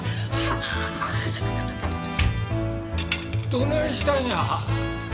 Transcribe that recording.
どないしたんや？